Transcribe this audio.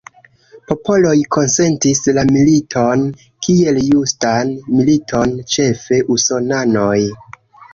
Popoloj konsentis la militon kiel justan militon, ĉefe usonanoj.